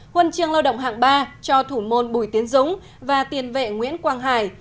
huân chương lao động hạng ba cho thủ môn bùi tiến dũng và tiền vệ nguyễn quang hải